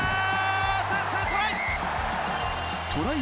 先制トライ！